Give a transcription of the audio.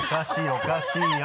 おかしいよ！